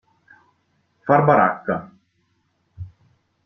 Far baracca.